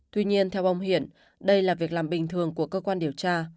tuy nhiên theo ông hiển đây là việc làm bình thường của cơ quan điều tra